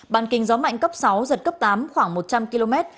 bàn kinh gió mạnh cấp sáu giật cấp tám khoảng một trăm linh km